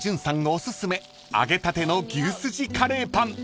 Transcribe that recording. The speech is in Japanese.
おすすめ揚げたての牛すじカレーパン］